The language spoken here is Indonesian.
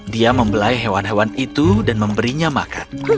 dia membelai hewan hewan itu dan memberinya makan